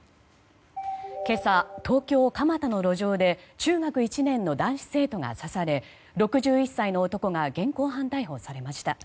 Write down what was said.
今朝、東京・蒲田の路上で中学１年の男子生徒が刺され６１歳の男が現行犯逮捕されました。